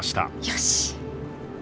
よし。